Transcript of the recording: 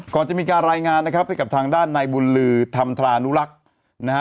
ก่อนจะมีการรายงานนะครับให้กับทางด้านในบุญลือธรรมทรานุรักษ์นะฮะ